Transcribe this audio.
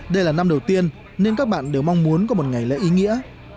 đây là năm đầu tiên nên các bạn đều mong muốn có một ngày lễ ý nghĩa